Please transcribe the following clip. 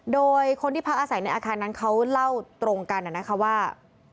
โดยคนที่พักอาศัยในอาคารนั้นเขาเล่าตรงกันนะคะว่า